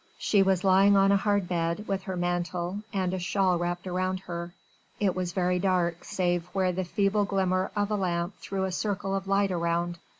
She was lying on a hard bed with her mantle and a shawl wrapped round her. It was very dark save where the feeble glimmer of a lamp threw a circle of light around.